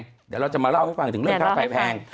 เดี๋ยวเราจะมาเล่าให้ฟังถึงเรื่องค่าไฟแพง